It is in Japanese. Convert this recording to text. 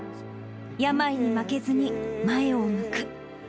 病に負けずに前を向く。